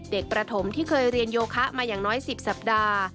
ประถมที่เคยเรียนโยคะมาอย่างน้อย๑๐สัปดาห์